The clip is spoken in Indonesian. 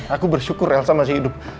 aku bersyukur elsa masih hidup